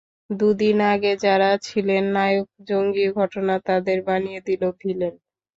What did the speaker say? দুদিন আগে যাঁরা ছিলেন নায়ক, জঙ্গি ঘটনা তাঁদের বানিয়ে দিল ভিলেন।